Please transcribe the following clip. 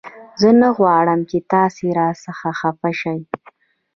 زه نه غواړم چې تاسې را څخه خفه شئ